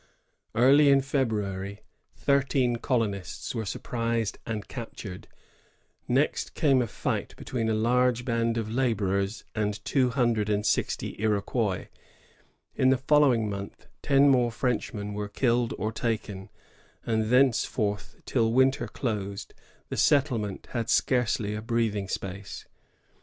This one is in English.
Early in February, thirteen colonists were surprised and captured; next came a fight between a large band of laborers and two hun dred and sixty Iroquois; in the following month, ten more Frenchmen were HUed or taken; and thence forth, till winter closed, the settlement had scarcely a breathing space.